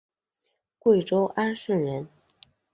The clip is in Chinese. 贵州安顺人。